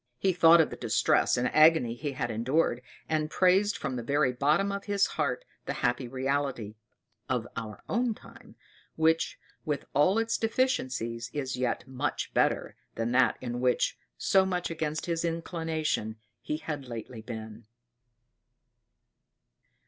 He thought of the distress and agony he had endured, and praised from the very bottom of his heart the happy reality our own time which, with all its deficiencies, is yet much better than that in which, so much against his inclination, he had lately been.